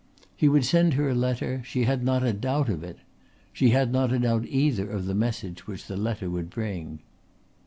He would send her a letter, she had not a doubt of it. She had not a doubt either of the message which the letter would bring.